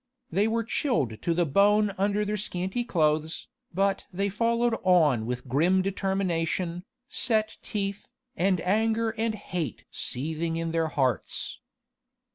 They were chilled to the bone under their scanty clothes, but they followed on with grim determination, set teeth, and anger and hate seething in their hearts.